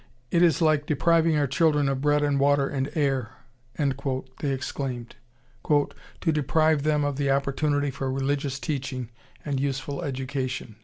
"It is like depriving our children of bread and water and air," they exclaimed, "to deprive them of the opportunity for religious teaching and useful education."